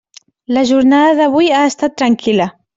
La jornada d'avui ha estat tranquil·la.